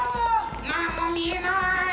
なんもみえない！